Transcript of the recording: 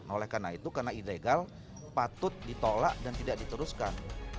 oleh karena itu karena ilegal patut ditolak dan tidak diteruskan